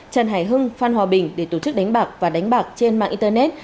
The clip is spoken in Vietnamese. trần hải hưng phan hòa bình để tổ chức đánh bạc và đánh bạc trên mạng internet